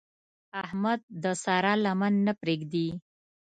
احمد د سارا لمن نه پرېږدي.